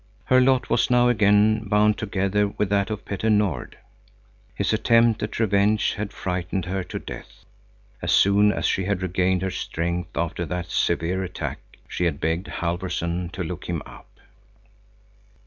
Her lot was now again bound together with that of Petter Nord. His attempt at revenge had frightened her to death. As soon as she had regained her strength after that severe attack, she had begged Halfvorson to look him up.